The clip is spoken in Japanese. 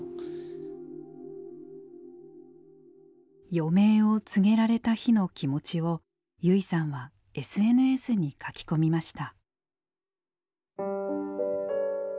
余命を告げられた日の気持ちを優生さんはＳＮＳに書き込みました。